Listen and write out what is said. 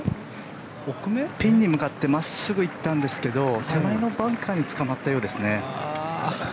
ピンに向かって真っすぐ行ったんですが手前のバンカーにつかまったようですね。